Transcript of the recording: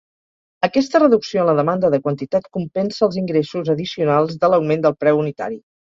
Aquesta reducció en la demanda de quantitat compensa els ingressos addicionals de l"augment del preu unitari.